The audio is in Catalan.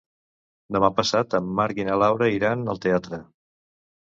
Demà passat en Marc i na Laura iran al teatre.